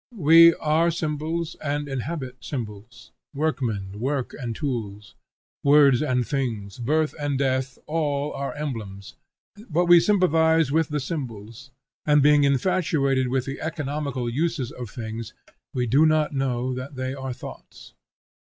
We are symbols and inhabit symbols; workmen, work, and tools, words and things, birth and death, all are emblems; but we sympathize with the symbols, and being infatuated with the economical uses of things, we do not know that they are thoughts.